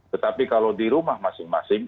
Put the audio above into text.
tetapi kalau di rumah masing masing